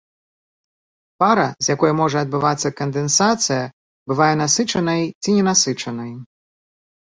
Пара, з якой можа адбывацца кандэнсацыя, бывае насычанай ці ненасычанай.